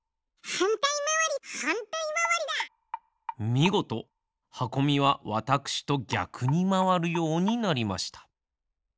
みごとはこみはわたくしとぎゃくにまわるようになりました。